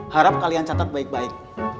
harap kalian catat baik baik